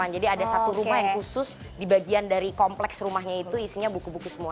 ada satu rumah yang khusus di bagian dari kompleks rumahnya itu isinya buku buku semua